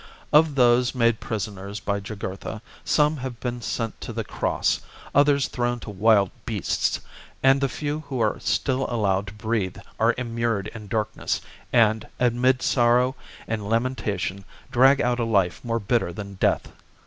Of those made prisoners by Jugurtha, some have been sent to the cross, others thrown to wild beasts, and the few who are still allowed to breathe are immured in darkness, and, amid sorrow and lamentation, drag out a life more bitter than death.